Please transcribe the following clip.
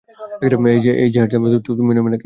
এই যে হ্যান্ডসাম, তুমি নেবে নাকি?